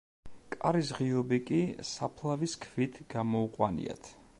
კარის ღიობი კი საფლავის ქვით გამოუყვანიათ.